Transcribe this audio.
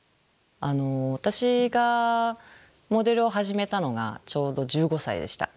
私がモデルを始めたのがちょうど１５歳でした。